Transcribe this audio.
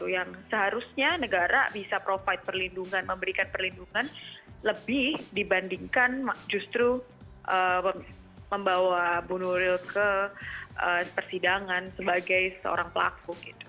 yang seharusnya negara bisa provide perlindungan memberikan perlindungan lebih dibandingkan justru membawa bu nuril ke persidangan sebagai seorang pelaku